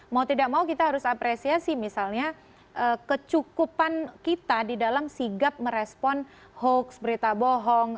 mau tidak mau kita harus apresiasi misalnya kecukupan kita di dalam sigap merespon hoax berita bohong